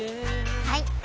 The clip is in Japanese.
はい！